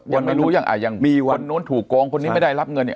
ยังไม่รู้ยังอ่ะยังมีวันนู้นถูกโกงคนนี้ไม่ได้รับเงินอีก